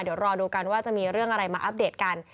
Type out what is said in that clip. เดี๋ยวรอดูกันว่าจะมีเรื่องอะไรมาอัปเดตกัน